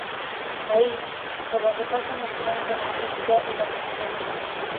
Ahí, por donde pasan los trenes de la angustia y la presión.